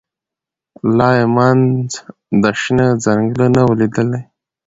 لا یې منځ د شنه ځنګله نه وو لیدلی